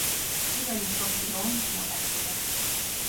პირველი მსოფლიო ომის მონაწილე.